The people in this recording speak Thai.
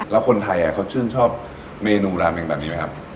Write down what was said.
แล้วคนไทยเขาชื่นชอบเมนูราเมงแบบนี้ไหมครับ